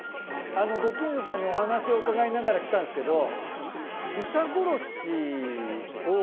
ご近所さんにお話を伺いながら来たんですけど。